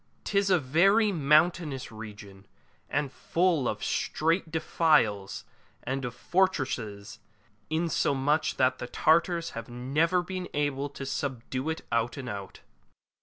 'Tis a very mountainous region, and full of strait defiles and of fortresses, insomuch that the Tartars have never been able to subdue it out and out.